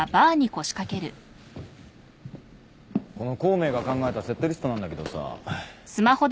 この孔明が考えたセットリストなんだけどさ。